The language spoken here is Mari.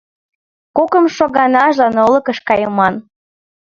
Кокымшо ганажлан олыкыш кайыман.